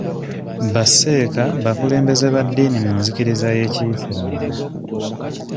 Ba sseeka bakulembeze ba ddiini mu nzikiriza y'ekiyisiraamu.